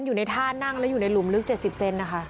อยู่ในท่านั่งแล้วอยู่ในหลุมลึก๗๐เซนนะคะ